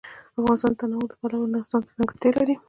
افغانستان د تنوع د پلوه ځانته ځانګړتیا لري.